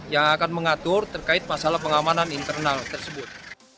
yang akan mengatur terkait masalah pengamanan internal tersebut